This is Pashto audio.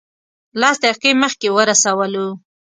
لس دقیقې مخکې ورسولو.